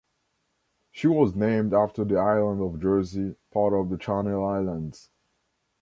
She was named after the island of Jersey, part of the Channel Islands.